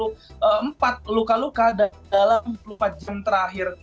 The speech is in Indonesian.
dan enam puluh empat luka luka dalam dua puluh empat jam terakhir